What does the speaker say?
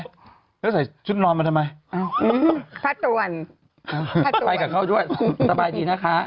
แล้วใส่ชุดนอนมาทำไมตั้งใจปำได้ตั่งใจกับเขาด้วยสบายดีนะค่ะ